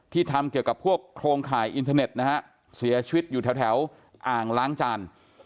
ทำเกี่ยวกับพวกโครงข่ายอินเทอร์เน็ตนะฮะเสียชีวิตอยู่แถวอ่างล้างจาน